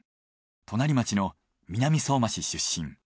隣町の南相馬市出身。